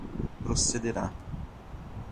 procederá